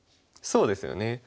そうですよね。